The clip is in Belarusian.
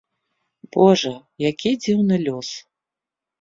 Божа, які дзіўны лёс!